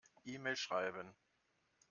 E-Mail schreiben.